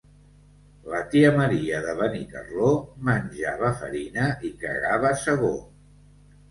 La tia Maria de Benicarló menjava farina i cagava segó.